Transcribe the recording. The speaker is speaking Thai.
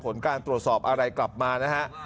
ผลการตรวจสอบอะไรกลับมานะฮะ